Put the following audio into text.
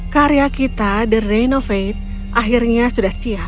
karya kita the reign of eight akhirnya sudah siap